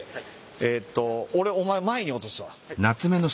えとおれお前前に落とすわ。